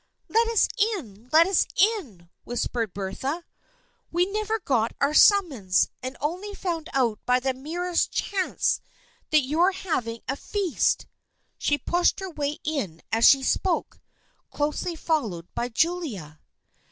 " Let us in ! Let us in !" whispered Bertha. " We never got our summons, and only found out by the merest chance that you were having a feast." She pushed her way in as she spoke, closely followed by Julia.